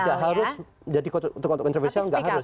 tidak harus jadi sosok kontroversial nggak harus